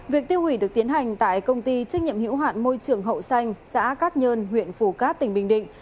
việc tiêu hủy được tiến hành tại công ty trách nhiệm hiệu hoạn môi trường hậu xanh xã cát nhơn huyện phủ cát tỉnh bình định